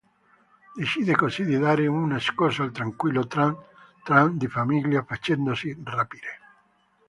Decide così di dare una scossa al tranquillo tran tran di famiglia facendosi "rapire".